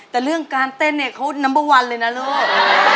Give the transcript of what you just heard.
แต่เรื่องการเต้นเนี่ยเขานัมเบอร์วันเลยนะลูก